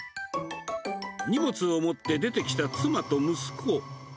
荷物を持って出てきた妻と息子。